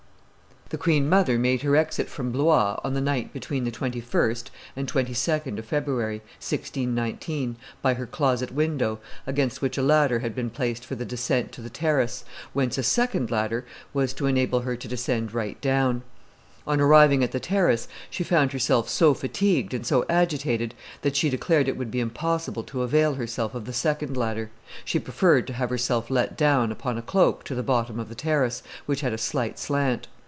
The queen mother made her exit from Blois on the night between the 21st and 22d of February, 1619, by her closet window, against which a ladder had been placed for the desecnt to the terrace, whence a second ladder was to enable her to descend right down. On arriving at the terrace she found herself so fatigued and so agitated, that she declared it would be impossible to avail herself of the second ladder; she preferred to have herself let down upon a cloak to the bottom of the terrace, which had a slight slant.